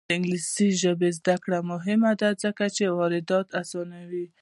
د انګلیسي ژبې زده کړه مهمه ده ځکه چې واردات اسانوي.